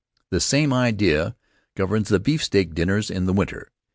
The same idea governs the beefsteak dinners in the winter.